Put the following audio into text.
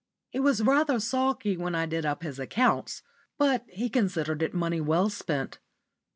He was rather sulky when I did up his accounts, but he considered it money well spent.